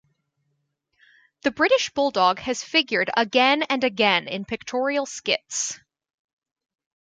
The British bulldog has figured again and again in pictorial skits.